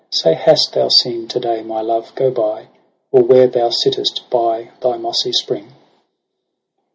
Say hast thou seen to day my love go iy, Or where thou sittest by thy mossy spring?